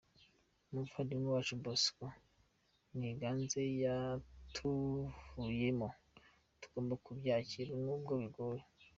Umuvandimwe wacu Bosco Niganze yatuvuyemo, tugomba kubyakira nubwo bigoye.